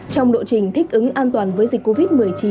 trong lộ trình thích ứng an toàn với dịch covid một mươi chín